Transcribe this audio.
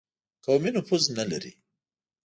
قومي نفوذ نه لري.